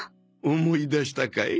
思い出したかい？